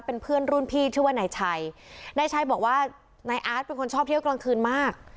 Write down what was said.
เป็นเพื่อนรุ่นพี่ชื่อว่านายชัยนายชัยบอกว่านายอาร์ตเป็นคนชอบเที่ยวกลางคืนมาก